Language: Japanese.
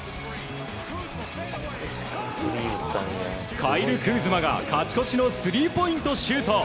カイル・クーズマが、勝ち越しのスリーポイントシュート。